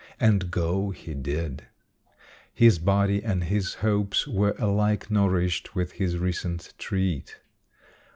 And go he did. His body and his hopes were alike nourished with his recent treat.